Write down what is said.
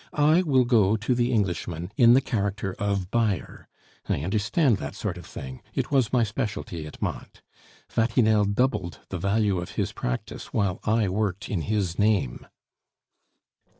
I will go to the Englishman in the character of buyer. I understand that sort of thing; it was my specialty at Mantes. Vatinelle doubled the value of his practice, while I worked in his name."